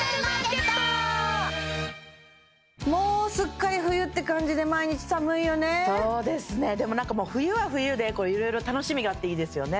もうすっかり冬って感じで毎日寒いよねそうですねでもなんか冬は冬で色々楽しみがあっていいですよね